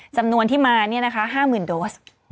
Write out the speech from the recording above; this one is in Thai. จำนวนที่มานี่นะคะ๕๐๐๐๐โดส